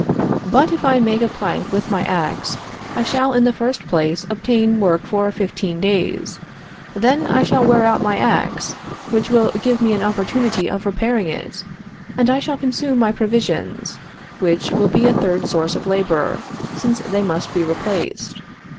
"But if I make a plank with my ax, I shall in the first place obtain work for fifteen days, then I shall wear out my ax, which will give me an opportunity of repairing it, and I shall consume my provisions, which will be a third source of labor, since they must be replaced.